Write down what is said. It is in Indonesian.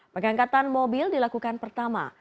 pengangkatan mobil dilakukan pertama